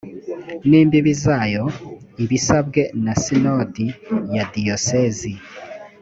n imbibi zayo ibisabwe na sinodi ya diyosezi